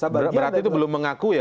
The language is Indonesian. berarti itu belum mengaku ya